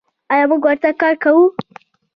آیا موږ ورته کار کوو؟